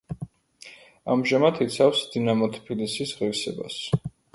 ამჟამად იცავს „დინამო თბილისის“ ღირსებას.